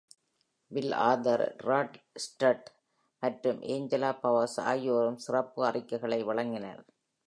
Bill Arthur, Rod Stutt மற்றும் Angela Powers ஆகியோரும் சிறப்பு அறிக்கைகளை வழங்கினர்.